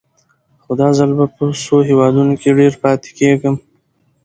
خو دا ځل به په څو هېوادونو کې ډېر پاتې کېږم.